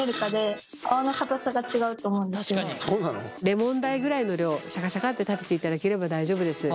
レモン大ぐらいの量をシャカシャカって立てていただければ大丈夫です。